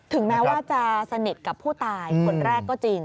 แม้ว่าจะสนิทกับผู้ตายคนแรกก็จริง